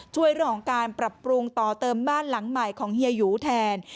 ช่วยเรื่องของการปรับปรุงต่อเติมบ้านหลังใหม่ของเฮียหยูแทน